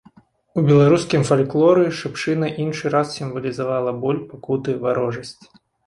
У беларускім фальклоры шыпшына іншы раз сімвалізавала боль, пакуты, варожасць.